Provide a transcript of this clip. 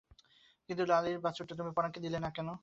কিন্তু লালীর বাছুরটা তুমি পরাণকে দিলে না যে?